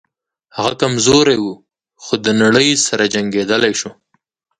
هغه کمزوری و خو د نړۍ سره جنګېدلی شو